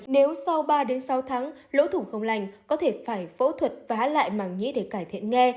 nếu sau ba sáu tháng lũ thủng không lành có thể phải phẫu thuật và hát lại màng nhĩ để cải thiện nghe